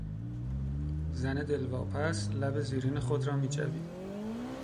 زن دلواپس، لب زیرین خود را میجوید.